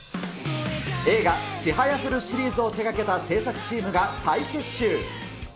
映画、ちはやふるシリーズを手がけた製作チームが再結集。